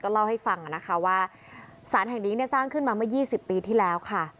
เล่าให้ฟังนะคะว่าสารแห่งนี้สร้างขึ้นมาเมื่อ๒๐ปีที่แล้วค่ะ